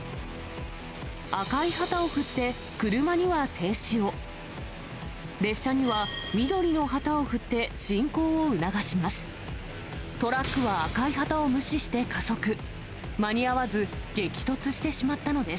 赤い旗を振って、車には停止を、列車には緑の旗を振って進行を促します。